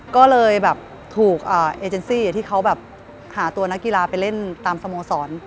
ก็เลยแบบถูกเอเจนซี่ที่เขาแบบหาตัวนักกีฬาไปเล่นตามสโมสร